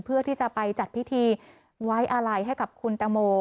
เพื่อที่จะไปจัดพิธีไว้อาลัยให้กับคุณตังโม